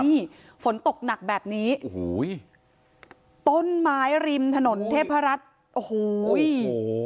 นี่ฝนตกหนักแบบนี้โอ้โหต้นไม้ริมถนนเทพรัฐโอ้โห